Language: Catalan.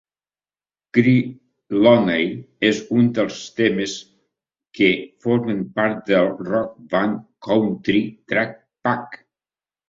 "Cry Lonely" és un dels temes que formen part del "Rock Band Country Track Pack".